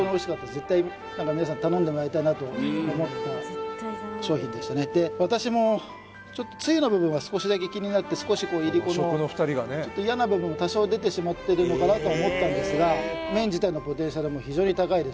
絶対皆さん頼んでもらいたいなと思った商品でしたねで私もちょっとつゆの部分は少しだけ気になって少しこういりこのちょっと嫌な部分多少出てしまっているのかなと思ったんですが何しろ